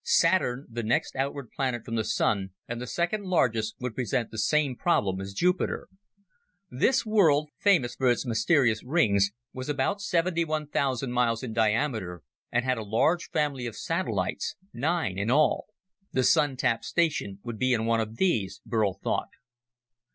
Saturn, the next outward planet from the Sun, and the second largest, would present the same problem as Jupiter. This world, famous for its mysterious rings, was about 71,000 miles in diameter and had a large family of satellites nine in all. The Sun tap station would be on one of these, Burl thought.